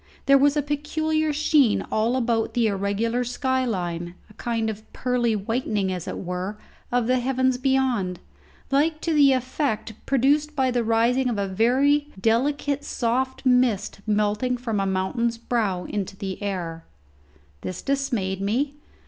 There was a peculiar sheen all about the irregular sky line; a kind of pearly whitening, as it were, of the heavens beyond, like to the effect produced by the rising of a very delicate soft mist melting from a mountain's brow into the air. This dismayed me.